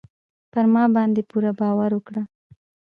پر ما باندې پوره باور وکړئ.